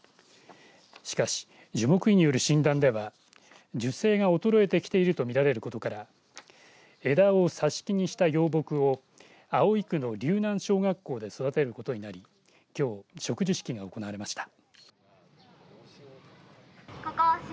しかし樹木医による診断では樹勢が衰えてきていると見られることから枝を挿し木にした幼木を葵区の竜南小学校で育てることになりきょう植樹式が行われました。